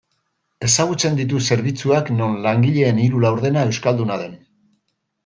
Ezagutzen ditut zerbitzuak non langileen hiru laurdena euskalduna den.